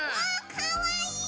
かわいい！